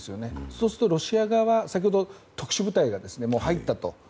そうすると、先ほどロシア側は特殊部隊が入ったと。